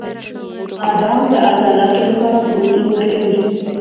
• بادام د عضلاتو لپاره پروټین ورکوي.